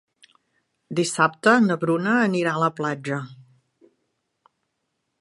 Dissabte na Bruna anirà a la platja.